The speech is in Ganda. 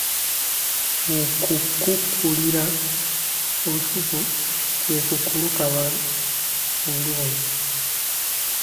Okukukulira olusuku kwe kulukabala obulungi.